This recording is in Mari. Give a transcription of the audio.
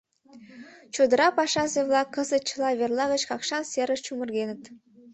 Чодыра пашазе-влак кызыт чыла верла гыч Какшан серыш чумыргеныт.